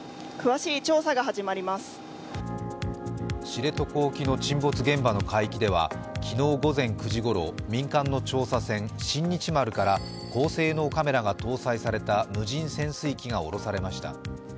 知床沖の沈没現場の海域では、昨日午前９時ごろ、民間の調査船「新日丸」から高性能カメラが搭載された無人潜水機が下ろされました。